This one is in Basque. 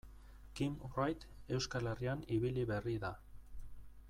Kim Wright Euskal Herrian ibili berri da.